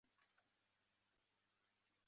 滇缅短尾鼩被发现在中国和缅甸。